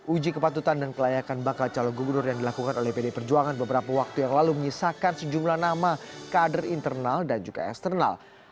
uji kepatutan dan kelayakan bakal calon gubernur yang dilakukan oleh pd perjuangan beberapa waktu yang lalu menyisakan sejumlah nama kader internal dan juga eksternal